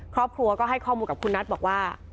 ครอบครัวก็ให้ข้อมูลกับคุณนัทบอกว่า